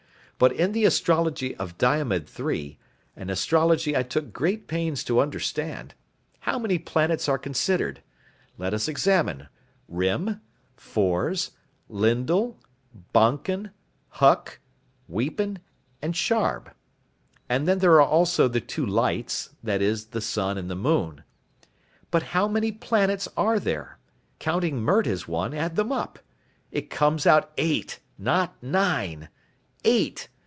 But in the astrology of Diomed III an astrology I took great pains to understand how many planets are considered? Let us examine. Rym, Fors, Lyndal, Bonken, Huck, Weepen, and Sharb. And then there are also the two 'lights,' that is, the sun and the moon. But how many planets are there? Counting Mert as one, add them up. It comes out eight. Not nine. Eight.